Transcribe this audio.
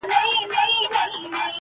بیا زه راویښ شوم